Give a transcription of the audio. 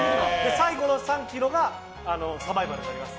最後の３ｋｍがサバイバルになります。